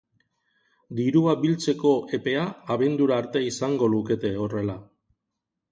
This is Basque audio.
Dirua biltzeko epea abendura arte izango lukete horrela.